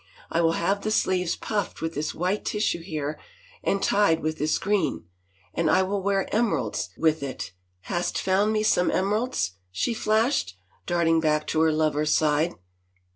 " I will have the sleeves puffed with this white tissue here and tied with this green, and I will wear emeralds with it — hast found me some emeralds?" she flashed, dart ing back to her lover's side.